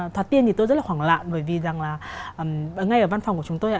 thoát tiền thì tôi rất là hoảng lạ bởi vì rằng là ngay ở văn phòng của chúng tôi ạ